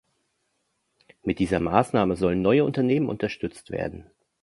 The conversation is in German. Mit dieser Maßnahme sollen neue Unternehmen unterstützt werden.